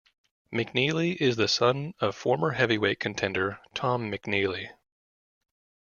McNeeley is the son of former heavyweight contender Tom McNeeley.